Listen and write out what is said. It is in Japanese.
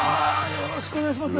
よろしくお願いします。